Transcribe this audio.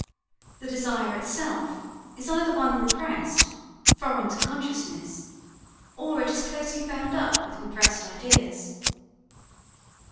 The desire itself is either one repressed, foreign to consciousness, or it is closely bound up with repressed ideas.